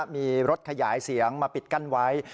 มีรถขยายเสียงมาปิดกั้นไว้